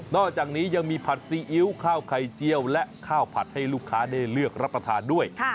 อกจากนี้ยังมีผัดซีอิ๊วข้าวไข่เจียวและข้าวผัดให้ลูกค้าได้เลือกรับประทานด้วย